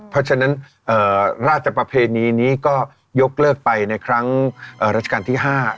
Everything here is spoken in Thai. เพราะฉะนั้นราชประเพณีนี้ก็ยกเลิกไปในครั้งรัชกาลที่๕